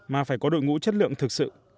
mà phải có đội ngũ chất lượng thực sự